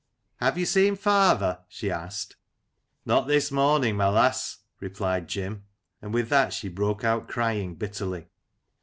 " Have you seen father ?" she asked. " Not this morn ing, my lass," replied Jim, and with that she broke out crying bitterly.